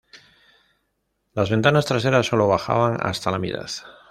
Las ventanas traseras sólo bajaban hasta la mitad.